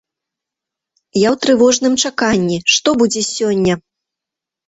Я ў трывожным чаканні, што будзе сёння?